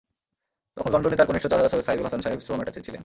তখন লন্ডনে তাঁর কনিষ্ঠ চাচা সৈয়দ সায়ীদুল হাসান সাহেব শ্রম অ্যাটাচি ছিলেন।